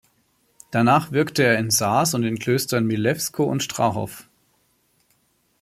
Danach wirkte er in Saaz und den Klöstern Milevsko und Strahov.